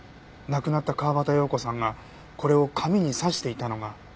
亡くなった川端葉子さんがこれを髪に挿していたのが。